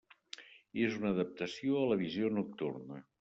És una adaptació a la visió nocturna.